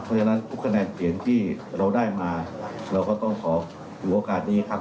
เพราะฉะนั้นทุกคะแนนเสียงที่เราได้มาเราก็ต้องขอถือโอกาสนี้ครับ